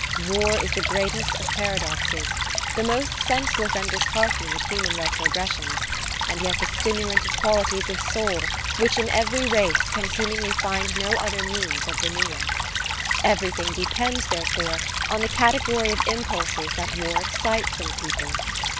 _" War is the greatest of paradoxes: the most senseless and disheartening of human retrogressions, and yet the stimulant of qualities of soul which, in every race, can seemingly find no other means of renewal. Everything depends, therefore, on the category of impulses that war excites in a people.